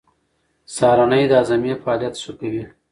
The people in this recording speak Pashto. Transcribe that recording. سهارنۍ د هاضمې فعالیت ښه کوي.